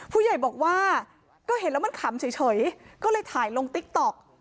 ผู้ใหญ่บอกว่าก็เห็นแล้วมันขำเฉยก็เลยถ่ายลงติ๊กต๊อก